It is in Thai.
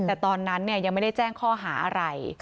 แต่ตอนนั้นยังไม่ได้แจ้งข้อหาอะไร